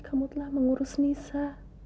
kamu telah mengurus nisa